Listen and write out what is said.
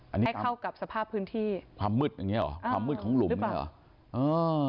ให้เข้ากับสภาพพื้นที่ความมืดอย่างเงี้ยหรอความมืดของหลุมนี่หรอหรือเปล่า